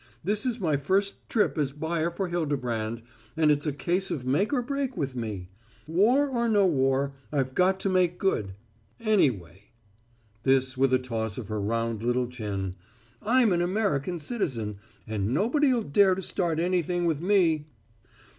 This is my first trip as buyer for Hildebrand, and it's a case of make or break with me. War or no war, I've got to make good. Anyway" this with a toss of her round little chin "I'm an American citizen, and nobody'll dare to start anything with me."